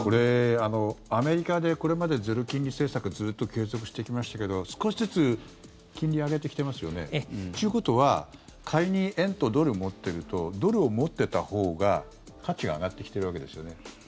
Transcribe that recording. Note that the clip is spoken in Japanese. アメリカでこれまでゼロ金利政策ずっと継続してきましたけど少しずつ金利上げてきてますよね。ということは仮に円とドルを持ってるとドルを持ってたほうが、価値が上がってきてるわけですよね。